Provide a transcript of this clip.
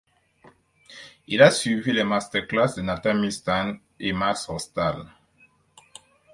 Il a suivi les masterclass de Nathan Milstein et Max Rostal.